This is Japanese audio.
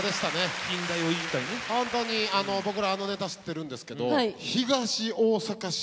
本当に僕らあのネタ知ってるんですけどえっ！